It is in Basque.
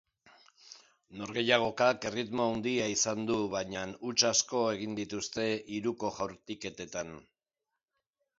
Norgehiagokak erritmo handia izan du baina huts asko egin dituzte hiruko jaurtiketetan.